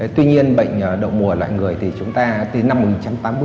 tuy nhiên bệnh đậu mùa là người thì chúng ta từ năm một nghìn chín trăm tám mươi